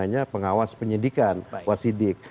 namanya pengawas penyidikan wasidik